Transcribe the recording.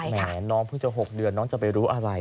แหมน้องเพิ่งจะ๖เดือนน้องจะไปรู้อะไร